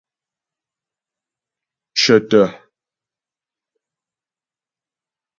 Cə̀tə̀.